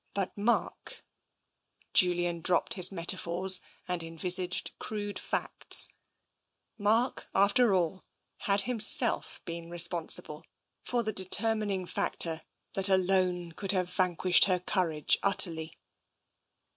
But Mark ... Julian dropped his metaphors and envisaged crude facts — Mark, after all, had himself been responsible for the determining factor that alone could have vanquished her courage utterly.